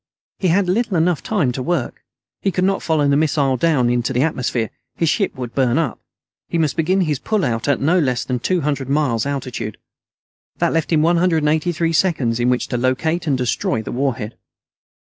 He had little enough time to work. He could not follow the missile down into the atmosphere; his ship would burn up. He must begin his pull out at not less than two hundred miles altitude. That left him one hundred eighty three seconds in which to locate and destroy the warhead.